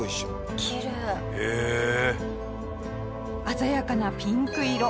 鮮やかなピンク色。